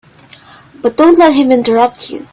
But don't let him interrupt you.